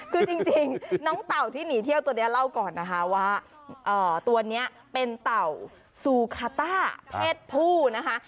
คือจริงน้องเต่าที่หนีเที่ยวตัวนี้เล่าก่อนนะคะว่าตัวนี้เป็นเต่าซูคาต้าเพศผู้นะคะ